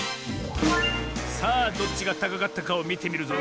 さあどっちがたかかったかをみてみるぞ。